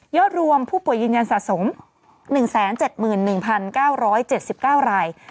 รวมผู้ป่วยยืนยันสะสม๑๗๑๙๗๙ราย